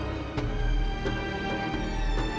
ras memberi saya